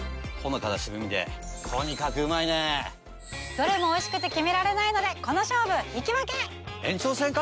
どれもおいしくて決められないのでこの勝負引き分け！延長戦か？